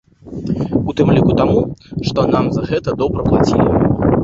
У тым ліку таму, што нам за гэта добра плацілі.